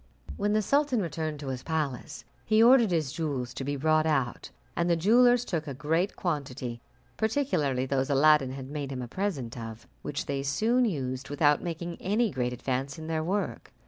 When the sultan returned to his palace, he ordered his jewels to be brought out, and the jewellers took a great quantity, particularly those Aladdin had made him a present of, which they soon used, without making any great advance in their work.